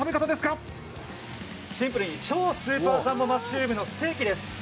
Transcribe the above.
シンプルに超スーパージャンボマッシュルームのステーキです。